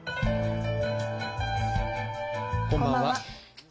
こんばんは。